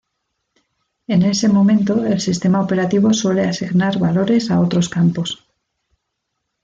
En ese momento el sistema operativo suele asignar valores a otros campos.